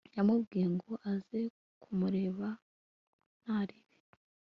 yamubwiye ngo azaze kumureba ntaribi